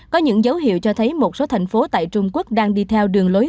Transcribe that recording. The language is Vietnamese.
có những dấu hiệu cho thấy một số thành phố tại trung quốc đang đi theo đường lối